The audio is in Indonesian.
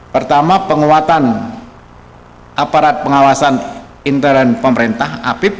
pertama penguatan aparat pengawasan intern pemerintah apip